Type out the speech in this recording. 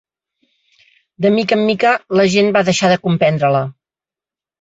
De mica en mica la gent va deixar de comprendre-la.